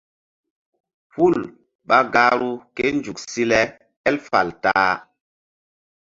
Hul ɓa gahru ké nzuk si le él fal ta-a.